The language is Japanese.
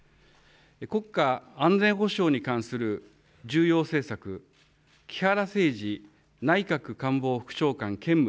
国家安全保障に関する重要政策、木原誠二内閣官房副長官、兼務。